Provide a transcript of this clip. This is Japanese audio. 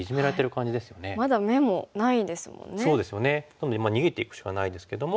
なので逃げていくしかないですけども。